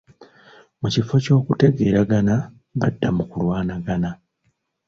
Mu kifo ky'okutegeeregana, badda mu kulwanagana.